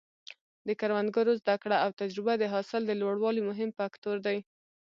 د کروندګرو زده کړه او تجربه د حاصل د لوړوالي مهم فکتور دی.